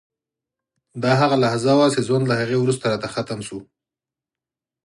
دا هغه لحظه وه چې ژوند له هغه وروسته راته ختم شو